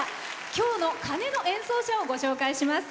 今日の鐘の演奏者をご紹介します。